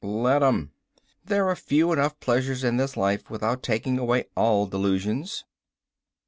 "Let them. There are few enough pleasures in this life without taking away all delusions."